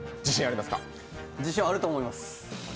自信、あると思います。